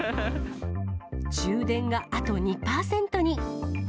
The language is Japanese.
充電があと２％に。